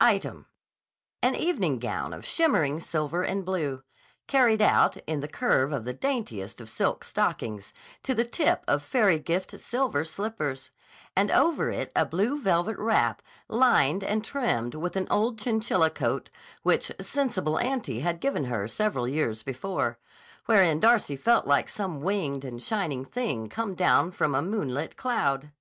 Item: An evening gown of shimmering silver and blue, carried out, in the curve of the daintiest of silk stockings, to the tip of fairy gift silver slippers; and over it a blue velvet wrap lined and trimmed with an old chinchilla coat, which Sensible Auntie had given her several years before; wherein Darcy felt like some winged and shining thing come down from a moonlit cloud.